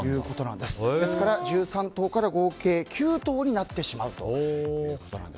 ですから１３頭から合計９頭になってしまうということです。